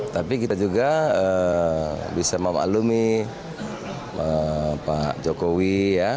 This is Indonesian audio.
tapi kita juga bisa memaklumi pak jokowi ya